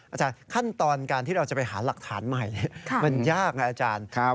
อาจารย์ขั้นตอนการที่เราจะไปหาหลักฐานใหม่มันยากไงอาจารย์